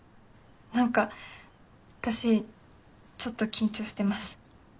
なんか私ちょっと緊張してます。